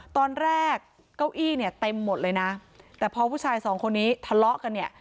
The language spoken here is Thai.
เก้าเก้าอี้เนี่ยเต็มหมดเลยนะแต่พอผู้ชายสองคนนี้ทะเลาะกันเนี่ย